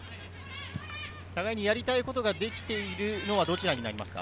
互いにやりたいことができているのはどちらですか？